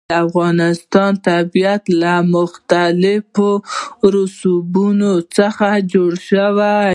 د افغانستان طبیعت له مختلفو رسوبونو څخه جوړ شوی دی.